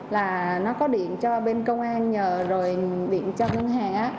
là nó có điện cho bên công an nhờ rồi điện cho ngân hàng á